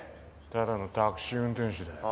ただのタクシー運転手だよ。